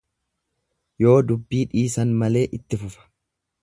Yoo dubbii dhiisan malee itti fufa.